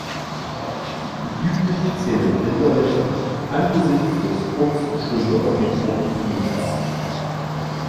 Wie üblich zählen Kinderrechte angesichts des Drucks bestimmter Lobbygruppen nichts.